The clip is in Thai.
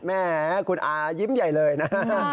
แม่คุณอายิ้มใหญ่เลยนะฮะ